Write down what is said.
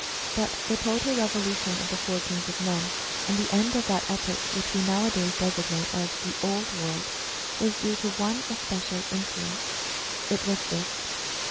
But the total revolution of the fortunes of men, and the end of that epoch which we nowadays designate as the " old world," was due to one especial influence. It was this.